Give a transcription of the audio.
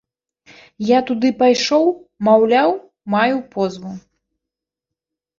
Я туды пайшоў, маўляў маю позву.